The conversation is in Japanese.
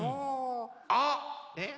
あっ！